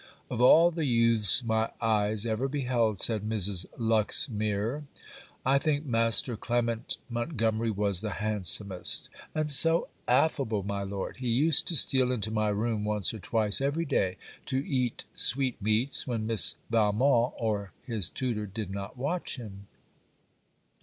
'Of all the youths my eyes ever beheld,' said Mrs. Luxmere, 'I think Master Clement Montgomery was the handsomest; and so affable, my Lord! He used to steal into my room once or twice every day to eat sweetmeats, when Miss Valmont or his tutor did not watch him.'